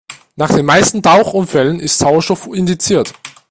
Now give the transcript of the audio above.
Nach den meisten Tauchunfällen ist Sauerstoff indiziert.